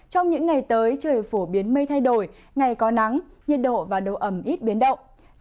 trong những ngày tới trời phổ biến mây thay đổi ngày có nắng nhiệt độ và độ ẩm ít biến động